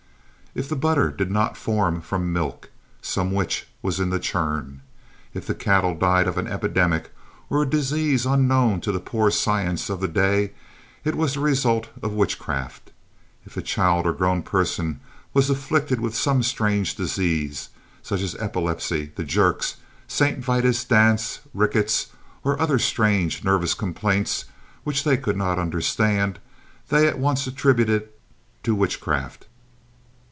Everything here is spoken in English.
If the butter did not form from the milk, some witch was in the churn. If the cattle died of an epidemic, or a disease unknown to the poor science of the day, it was the result of witchcraft. If a child or grown person was afflicted with some strange disease, such as epilepsy, the "jerks," "St. Vitus' dance," "rickets" or other strange nervous complaints, which they could not understand, they at once attributed it to witchcraft.